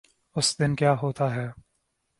اس دن کیا ہوتاہے۔